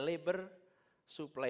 kegiatan kegiatan supply labor